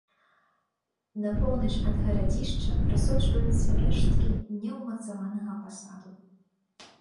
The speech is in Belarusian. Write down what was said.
На поўнач ад гарадзішча прасочваюцца рэшткі неўмацаванага пасаду.